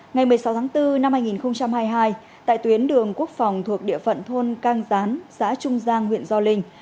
ngày một mươi sáu tháng bốn năm hai nghìn hai mươi hai tại tuyến đường quốc phòng thuộc địa phận thôn cang gián xã trung giang huyện gio linh